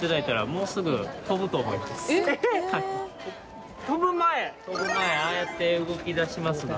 もう飛ぶと思いますよ。